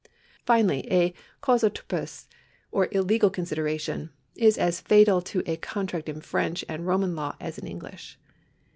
Finally a causa turpis, or illegal consideration, is as fatal to a con tract in French and Roman law as in English.